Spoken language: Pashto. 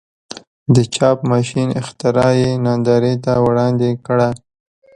د چاپ ماشین اختراع یې نندارې ته وړاندې کړه.